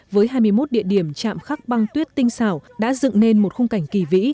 với hai mươi một địa điểm chạm khắc băng tuyết tinh xảo đã dựng nên một khung cảnh kỳ vĩ